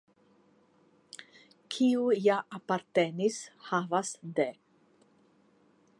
Kiu ja apartenis havas de.